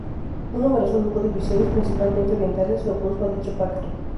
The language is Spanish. Un numeroso grupo de oficiales, principalmente orientales, se opuso a dicho pacto.